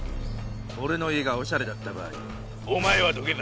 俺の家がおしゃれだった場合お前は土下座。